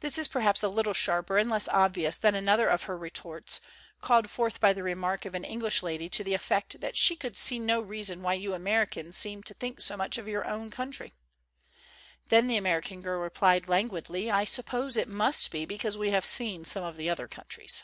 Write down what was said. This is perhaps a little sharper and less obvious than another of her retorts, called forth by the remark of an Eng lish lady to the effect that she could see "no reason why you Americans seem to think so much of your own country." Then the Ameri can Girl replied languidly, "I suppose it must be because we have seen some of the other countries."